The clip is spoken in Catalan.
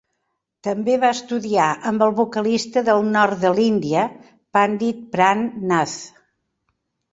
També va estudiar amb el vocalista del nord de l'Índia Pandit Pran Nath.